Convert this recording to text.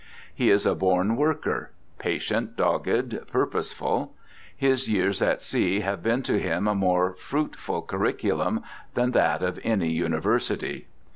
He is a born worker: patient, dogged, purposeful. His years at sea have been to him a more fruitful curriculum than that of any university.